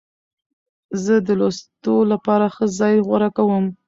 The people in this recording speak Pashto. زه د لوستو لپاره ښه ځای غوره کوم.